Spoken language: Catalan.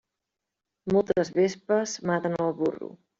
Moltes vespes maten el burro.